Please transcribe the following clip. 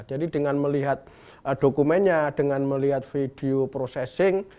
jadi dengan melihat dokumennya dengan melihat video processing